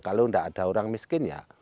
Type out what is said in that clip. kalau tidak ada orang miskin ya